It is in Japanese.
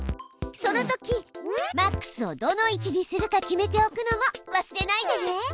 そのときマックスをどの位置にするか決めておくのも忘れないでね。